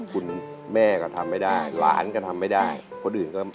คุณแม่ก็ทำไม่ได้ล้านค่ะทำไม่ได้พวกอื่น